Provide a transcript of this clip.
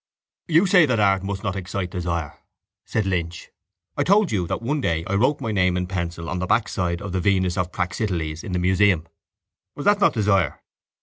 —You say that art must not excite desire, said Lynch. I told you that one day I wrote my name in pencil on the backside of the Venus of Praxiteles in the Museum. Was that not desire?